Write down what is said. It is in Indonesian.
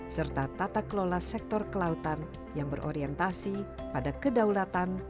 serta tata kelola sektor kelautan yang berorientasi pada kedaulatan